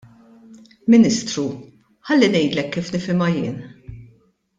Ministru, ħalli ngħidlek kif nifhimha jien.